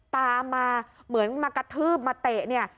ตามมาเหมือนมากระทืบมาเตะเนี่ย